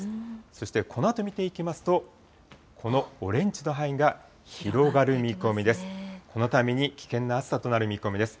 そしてこのあと見ていきますと、このオレンジの範囲が広がる見込みです。